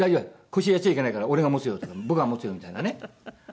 腰やっちゃいけないから俺が持つよ」とか「僕が持つよ」みたいなね。